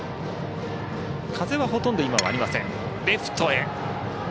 風はほとんど今はありません。